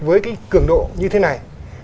với cường độ như thế này